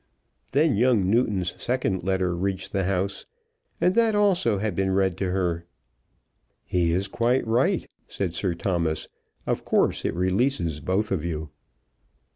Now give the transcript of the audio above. Then young Newton's second letter reached the house, and that also had been read to her. "He is quite right," said Sir Thomas. "Of course it releases both of you."